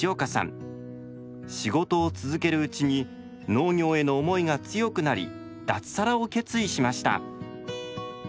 仕事を続けるうちに農業への思いが強くなり脱サラを決意しました。